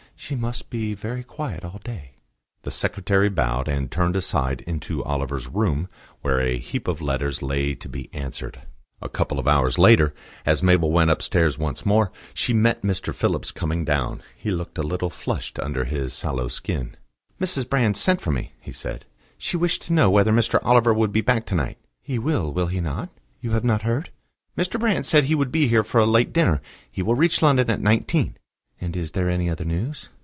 "She must be very quiet all day." The secretary bowed and turned aside into Oliver's room, where a heap of letters lay to be answered. A couple of hours later, as Mabel went upstairs once more, she met Mr. Phillips coming down. He looked a little flushed under his sallow skin. "Mrs. Brand sent for me," he said. "She wished to know whether Mr. Oliver would be back to night." "He will, will he not? You have not heard?" "Mr. Brand said he would be here for a late dinner. He will reach London at nineteen." "And is there any other news?"